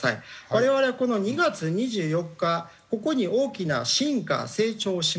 我々はこの２月２４日ここに大きな進化成長をしました。